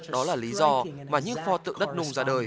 đó là lý do mà những pho tượng đất nông